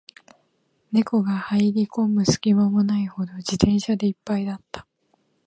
猫が入る込む隙間もないほど、自転車で一杯だった